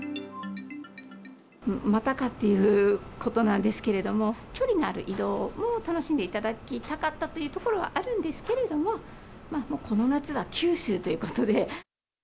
またかということなんですけれども、距離のある移動も楽しんでいただきたかったというところはあるんですけれども、この夏は九州ということで。